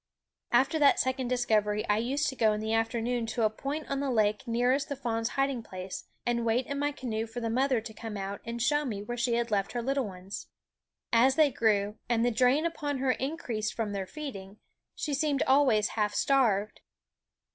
After that second discovery I used to go in the afternoon sometimes to a point on the lake nearest the fawns' hiding place, and wait in my canoe for the mother to come out and show me where she had left her little Cry in the W SCHOOL Of ones. As they grew, and the drain upon her increased from their feeding, she seemed always half starved.